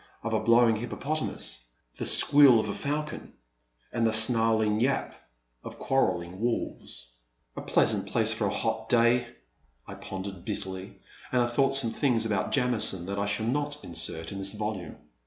'* of a blowing hippopotamus, the squeal of a falcon, and the snarling yap ! of quarrelling wolves. 3 1 8 A Pleasant Evening. A pleasant place for a hot day !'* I pondered bitterly, and I thought some things about Jami son that I shall not insert in this volume.